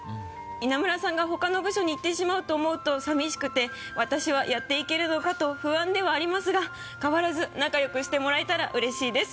「稲村さんがほかの部署に行ってしまうと思うと寂しくて私はやっていけるのかと不安ではありますが変わらず仲良くしてもらえたらうれしいです」